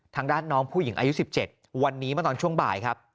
ทางด้านน้องผู้หญิงอายุ๑๗วันนี้มาตอนช่วงบ่ายครับ